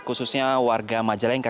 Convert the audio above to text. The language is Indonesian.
khususnya warga majalengka